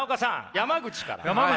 山口から？